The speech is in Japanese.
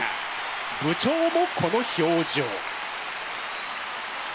部長もこの表情。